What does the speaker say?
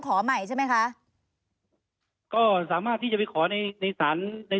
ขอใหม่ใช่ไหมคะก็สามารถที่จะไปขอในในสารใน